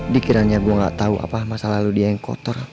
dikiranya gue gak tahu apa masa lalu dia yang kotor